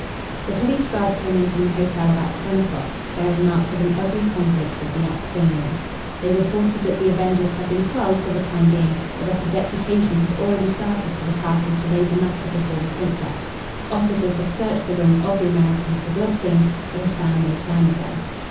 The police guards came in from the hotel about ten o'clock, bearing marks of an ugly conflict with the Axphainians. They reported that the avengers had been quelled for the time being, but that a deputation had already started for the castle to lay the matter before the Princess. Officers had searched the rooms of the Americans for blood stains, but had found no sign of them.